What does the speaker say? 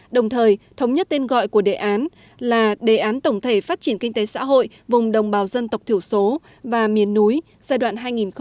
đồng thời thống nhất tên gọi của đề án là đề án tổng thể phát triển kinh tế xã hội vùng đồng bào dân tộc thiểu số và miền núi giai đoạn hai nghìn hai mươi một hai nghìn ba mươi